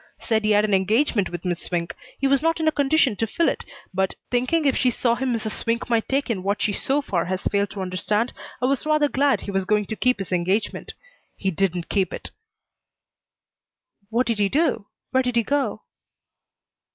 Said he had an engagement with Miss Swink. He was not in a condition to fill it, but, thinking if she saw him Mrs. Swink might take in what she so far has failed to understand, I was rather glad he was going to keep his engagement. He didn't keep it." "What did he do? Where did he go?"